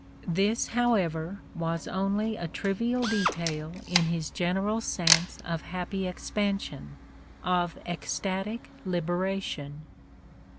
This, however, was only a trivial detail in his general sense of happy expan sion, of ecstatic liberation.